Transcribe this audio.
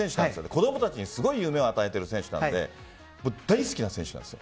子供たちにすごい夢を与えている選手なので大好きな選手なんです。